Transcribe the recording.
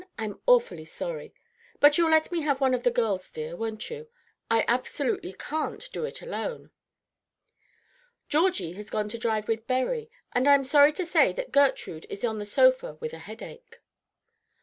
I'm awfully sorry. But you'll let me have one of the girls, dear, won't you? I absolutely can't do it alone." "Georgie has gone to drive with Berry, and I am sorry to say that Gertrude is on the sofa with a headache."